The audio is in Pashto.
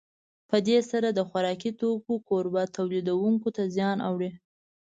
په دې سره د خوراکي توکو کوربه تولیدوونکو ته زیان اړوي.